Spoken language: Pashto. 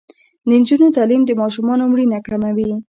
د نجونو تعلیم د ماشومانو مړینه کموي.